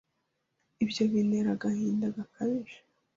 ibyo bintera agahinda gakabije